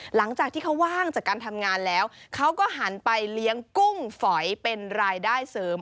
หลังจากที่เขาว่างจากการทำงานแล้วเขาก็หันไปเลี้ยงกุ้งฝอยเป็นรายได้เสริม